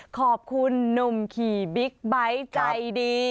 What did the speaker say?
ขอบคุณหนุ่มขี่บิ๊กไบท์ใจดี